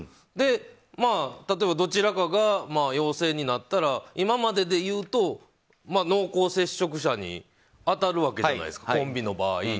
で、例えばどちらかが陽性になったら今まで言うと、濃厚接触者に当たるわけじゃないですかコンビの場合。